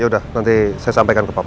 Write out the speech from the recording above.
yaudah nanti saya sampaikan ke papa